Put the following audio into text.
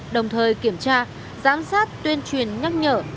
đồng thời kiểm tra giám sát tuyên truyền nhắc nhở